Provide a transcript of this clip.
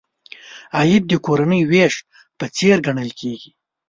عاید د کورنۍ وېش په څېر ګڼل کیږي.